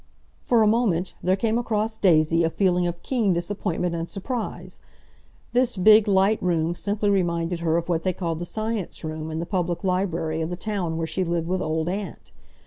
For a moment there came across Daisy a feeling of keen disappointment and surprise. This big, light room simply reminded her of what they called the Science Room in the public library of the town where she lived with Old Aunt.